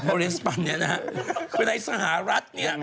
โอเรนซ์ปันเนี่ยนะในสหรัฐเนี่ย